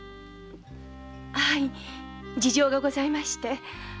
事情がございまして。